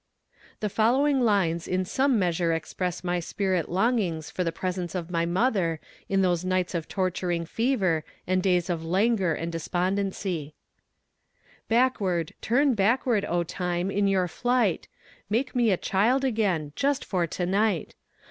The following lines in some measure express my spirit longings for the presence of my mother in those nights of torturing fever and days of languor and despondency: Backward, turn backward, O Time, in your flight; Make me a child again, just for to night!